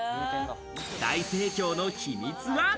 大盛況の秘密は？